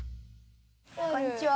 こんにちは。